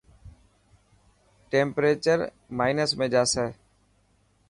ٽيمپريڄر مائنس ۾ جاسي.